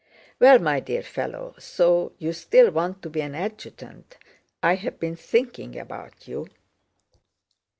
"Well, my dear fellow, so you still want to be an adjutant? I have been thinking about you."